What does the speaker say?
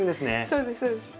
そうですそうです。